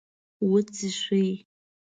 .وڅښئ